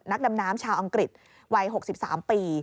นักดำน้ำชาวอังกฤษวัย๖๓ปี